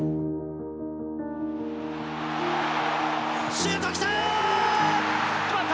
シュート、きた！